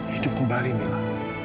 hidup kembali mila